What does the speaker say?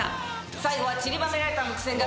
最後は散りばめられた伏線が